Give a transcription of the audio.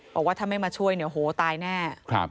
บอกว่าถ้าไม่มาช่วยเนี่ยโหตายแน่